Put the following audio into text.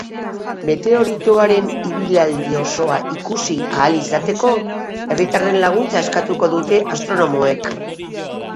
Meteoritoaren ibilaldi osoa ikusi ahal izateko, herritarren laguntza eskatuko dute astronomoek.